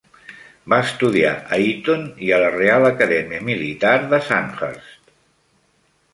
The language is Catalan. Va estudiar a Eton i a la Real Acadèmia Militar de Sandhurst.